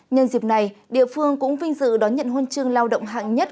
nhân dịp này địa phương cũng vinh dự đón nhận hôn trương lao động hạng nhất